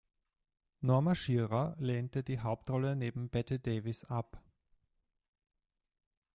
Norma Shearer lehnte die Hauptrolle neben Bette Davis ab.